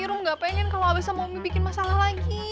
rom gak pengen kalau abes sama umi bikin masalah lagi